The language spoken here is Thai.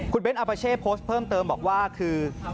คุณเบ้นอาปาเช่โพสต์เพิ่มเติมบอกว่าคือ